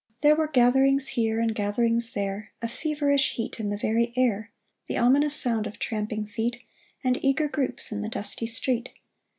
There were Gatherings here and gatherings there, A feverish heat in the very air, The ominous sound of tramping feet, And eager groups in the dusty street.